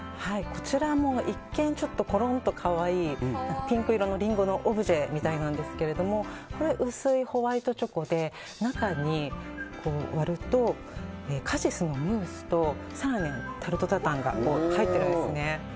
こちらも一見、コロンと可愛いピンク色のリンゴのオブジェみたいなんですけれども薄いホワイトチョコで割ると、中にカシスのムースと更にタルトタタンが入ってるんですね。